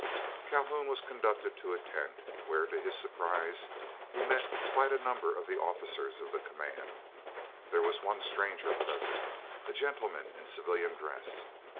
Calhoun was conducted to a tent where, to his surprise, he met quite a number of the officers of the command. There was one stranger present, a gentleman in civilian dress.